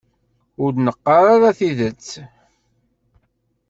Ur d-neqqar ara tidet.